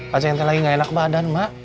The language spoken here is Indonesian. haceng teh lagi gak enak badan mak